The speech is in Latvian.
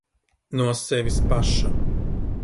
No sevis paša.